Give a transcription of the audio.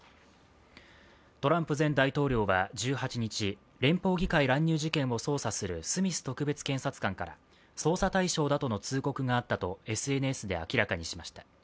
トランプ前大統領は１８日、連邦議会乱入事件を捜査するスミス特別検察官から捜査対象だとの通告があったとＳＮＳで明らかにしました。